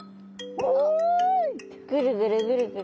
あっぐるぐるぐるぐる。